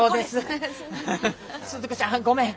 スズ子ちゃんごめん。